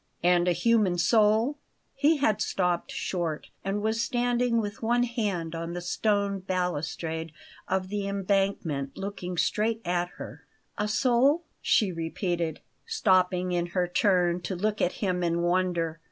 "And a human soul?" He had stopped short, and was standing with one hand on the stone balustrade of the embankment, looking straight at her. "A soul?" she repeated, stopping in her turn to look at him in wonder.